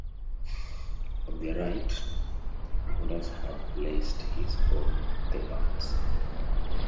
On their right, Pagondas had placed his own Thebans.